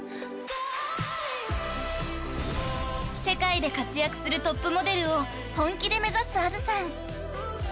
［世界で活躍するトップモデルを本気で目指す安珠さん］